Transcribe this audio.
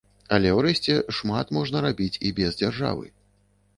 Але ўрэшце, шмат можна рабіць і без дзяржавы.